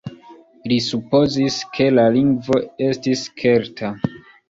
Li supozis, ke la lingvo estis kelta.